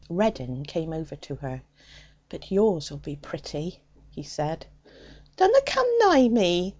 Reddin came over to her. 'But yours'll be pretty!' he said. 'Dunna come nigh me!'